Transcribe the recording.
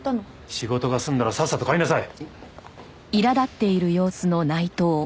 仕事が済んだらさっさと帰りなさい！